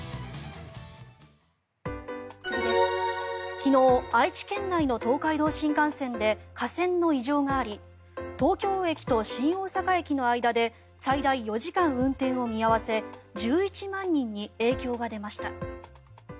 昨日、愛知県内の東海道新幹線で架線の異常があり東京駅と新大阪駅の間で最大４時間運転を見合わせ１１万人に影響が出ました。